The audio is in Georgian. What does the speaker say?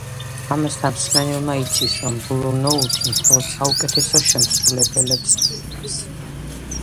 ამასთან მსმენელმა იცის, რომ „ბლუ ნოუთი“ მხოლოდ საუკეთესო შემსრულებლებს იწვევს.